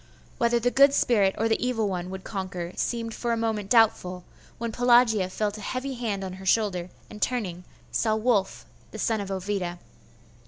Whether the good spirit or the evil one would conquer, seemed for a moment doubtful, when Pelagia felt a heavy hand on her shoulder, and turning, saw Wulf the son of Ovida.